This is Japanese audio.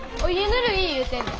ぬるい言うてんで。